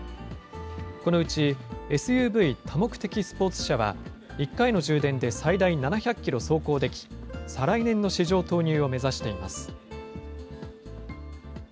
このうち、ＳＵＶ・多目的スポーツ車は、１回の充電で最大７００キロ走行でき、再来年の市場投入を目指しています。